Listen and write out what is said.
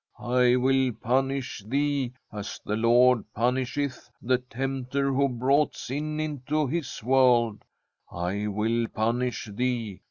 I will punish thee ; as the Lord punisheth the tempter who brought sin into His world, I will punish thee.